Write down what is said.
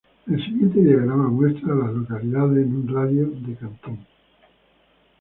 El siguiente diagrama muestra a las localidades en un radio de de Canton.